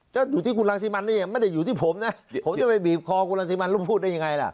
ถ้าอยู่ที่คุณรังสิมันนี่ยังไม่ได้อยู่ที่ผมนะผมจะไปบีบคอคุณรังสิมันแล้วพูดได้ยังไงล่ะ